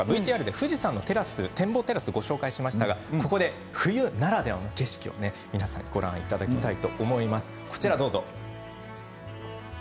富士山の展望テラスをご紹介しましたが冬ならではの景色を皆さんにご覧いただきたいと思います。